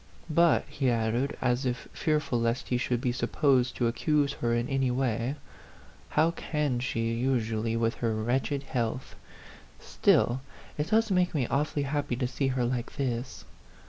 But," he added, as if fearful lest he should be supposed to accuse her in any way, " how can she, usu A PHANTOM LOVER. 75 ally, with her wretched health ? Still, it does make me awfully happy to see her like this."